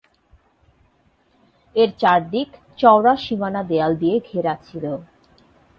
এর চারদিক চওড়া সীমানা দেয়াল দিয়ে ঘেরা ছিল।